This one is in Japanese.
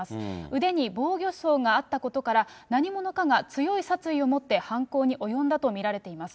腕に防御創があったことから、何者かが強い殺意を持って犯行に及んだと見られています。